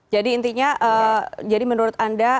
jadi intinya jadi menurut anda